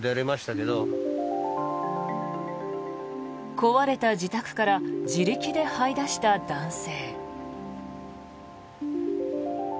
壊れた自宅から自力ではい出した男性。